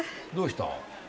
どうした？